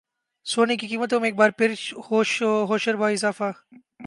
سونے کی قیمتوں میں ایک بار پھر ہوشربا اضافہ